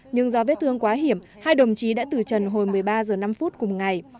nhưng do vết thương quá hiểm hai đồng chí đã từ trần hồi một mươi ba h năm cùng ngày